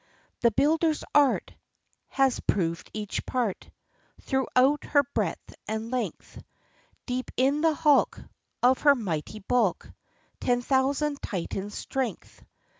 "The builder's art Has proved each part Throughout her breadth and length; Deep in the hulk, Of her mighty bulk, Ten thousand Titans' strength."